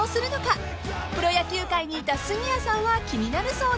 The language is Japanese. ［プロ野球界にいた杉谷さんは気になるそうです］